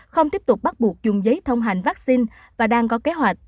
không tiếp tục bắt buộc dùng giấy thông hành vaccine và đang có kế hoạch